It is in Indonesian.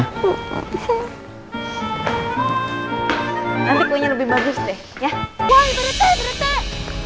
nanti kuenya lebih bagus deh ya